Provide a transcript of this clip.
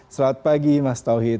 selamat pagi mas tauhid